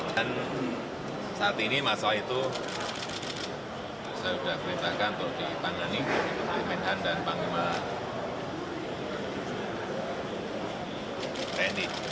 dan saat ini masalah itu saya sudah keritakan untuk dipangani oleh mnh dan panglima tni